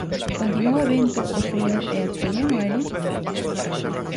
Continúa o vento, o frío e a chuvia, Noelia?